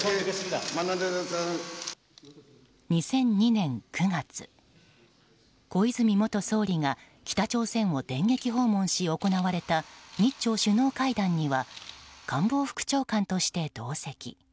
２００２年９月小泉元総理が北朝鮮を電撃訪問し、行われた日朝首脳会談には官房副長官として同席。